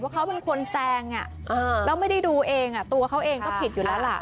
เขาเป็นคนแซงแล้วไม่ได้ดูเองตัวเขาเองก็ผิดอยู่แล้วล่ะ